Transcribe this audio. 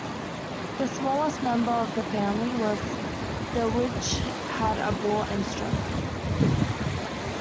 The smallest member of the family was the which had a bore and stroke.